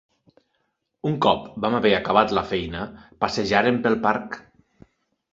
Un cop vam haver acabat la feina, passejàrem pel parc.